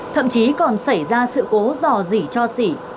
thậm chí còn xảy ra sự cố dò dỉ cho xỉ